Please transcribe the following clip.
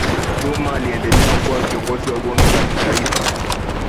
zuma aliendelea kuwa kiongozi wa bunge la kitaifa